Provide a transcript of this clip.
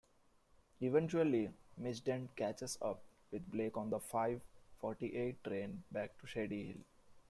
Eventually Miss Dent catches up with Blake on the Five-Forty-Eight train back to Shady-Hill.